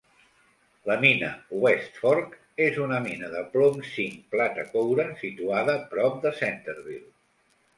La mina West Fork és una mina de plom-zinc-plata-coure situada prop de Centerville.